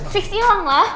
fix ilang lah